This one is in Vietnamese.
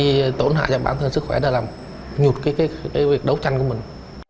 gây tổn hại cho bản thân sức khỏe đã làm nhụt cái việc đấu tranh của mình